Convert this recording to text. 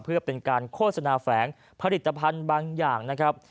เพื่อเป็นการโฆษณาแฝงผลิตภัณฑ์บางอย่างนะครับ